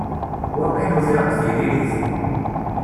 Waqil ufiɣ-d tiririt.